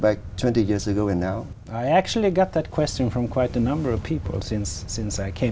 và thật ra nếu chúng ta quay trở lại trong lĩnh vực năm mươi năm